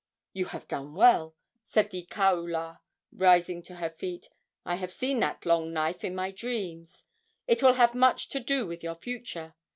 "You have done well," said the kaula, rising to her feet. "I have seen that long knife in my dreams. It will have much to do with your future.